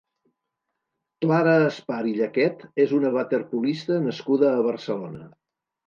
Clara Espar i Llaquet és una waterpolista nascuda a Barcelona.